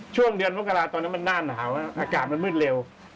ช่วงเดือนมกราตอนนั้นมันหน้าหนาวอากาศมันมืดเร็ว